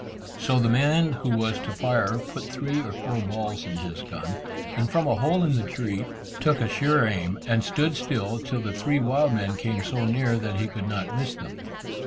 So the man who was to fire put three or four balls in his gun, and from a hole in the tree, took a sure aim, and stood still till the three wild men came so near that he could not miss them.